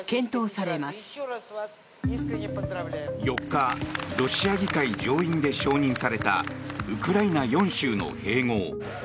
４日ロシア議会上院で承認されたウクライナ４州の併合。